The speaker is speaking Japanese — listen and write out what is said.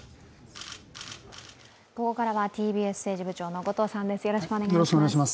ここからはＴＢＳ政治部長の後藤さんです。